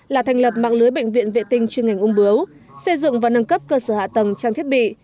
là thành lập mạng lưới bệnh viện vệ tinh chuyên ngành ung bướu xây dựng và nâng cấp cơ sở hạ tầng trang thiết bị